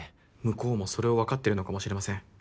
向こうもそれを分かってるのかもしれません。